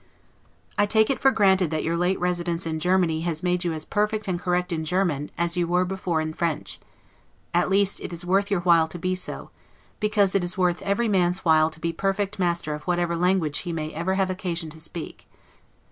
I take it for granted that your late residence in Germany has made you as perfect and correct in German, as you were before in French, at least it is worth your while to be so; because it is worth every man's while to be perfectly master of whatever language he may ever have occasion to speak.